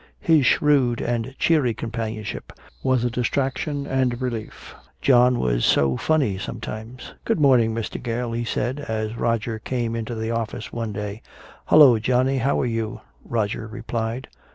His shrewd and cheery companionship was a distraction and relief. John was so funny sometimes. "Good morning, Mr. Gale," he said, as Roger came into the office one day. "Hello, Johnny. How are you?" Roger replied.